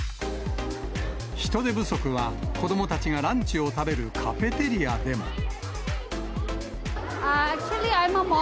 人手不足は、子どもたちがランチを食べるカフェテリアでも。